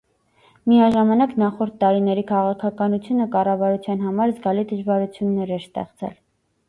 Միաժամանակ, նախորդ տարիների քաղաքականությունը կառավարության համար զգալի դժվարություններ էր ստեղծել։